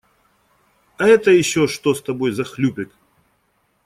А это еще что с тобой за хлюпик?